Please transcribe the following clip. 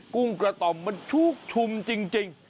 กุ้งกระต่อมมันชุกชุมจริง